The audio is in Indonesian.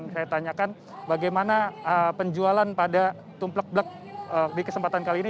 saya tanyakan bagaimana penjualan pada tumplek blek di kesempatan kali ini